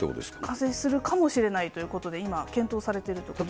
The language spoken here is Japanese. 完成するかもしれないということで、今、検討されているところだと。